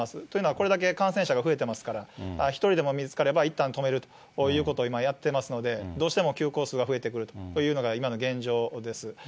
というのはこれだけ感染者が増えてますから、１人でも見つかれば、いったん止めるということを今やってますので、どうしても休校数が増えてくるというのが、今の現状です。